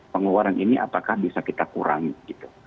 pengeluaran ini apakah bisa kita kurangi gitu